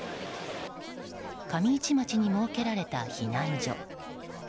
上市町に設けられた避難所。